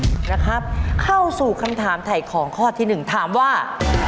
นะครับเข้าสู่คำถามถ่ายของข้อที่หนึ่งถามว่า